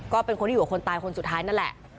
ก็เป็นคนที่อยู่กับคนตายคนสุดท้ายนั่นแหละ